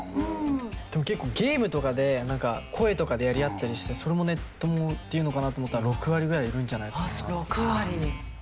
でも結構ゲームとかで声とかでやり合ったりしてそれもネッ友っていうのかなと思ったら６割ぐらいいるんじゃないかなと思いますね。